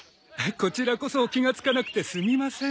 こちらこそ気がつかなくてすみません。